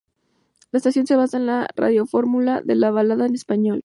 La estación se basaba en la radiofórmula de la balada en español.